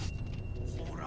ほら！